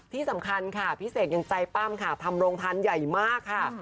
ที่สำคัญค่ะพี่เสกยังใจปั้มค่ะทำโรงทานใหญ่มากค่ะ